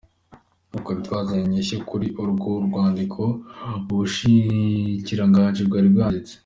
Twari twazanye inyishu kuri urwo rwandiko ubushikiranganji bwari bwanditse.